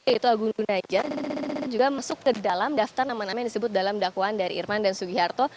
yaitu agung gunajat juga masuk ke dalam daftar nama nama yang disebut dalam dakwaan dari irman dan sugiharto